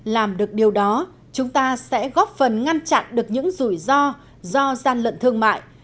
làm được điều đó chúng ta sẽ góp phần ngăn chặn được những rủi ro do gian lận thương mại